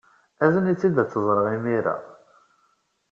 Azen-itt-id, ad tt-ẓreɣ imir-a.